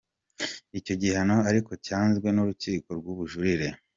Icyo gihano ariko cyanzwe n'urukiko rw'ubujurire.